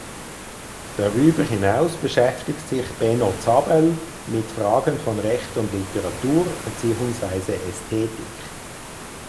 Darüber hinaus beschäftigt sich Benno Zabel mit Fragen von Recht und Literatur beziehungsweise Ästhetik.